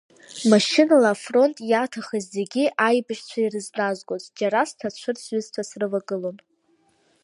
Машьынала афронт иаҭахыз зегьы аибашьцәа ирызназгон, џьара сҭацәыр сҩызцәа срывагылон.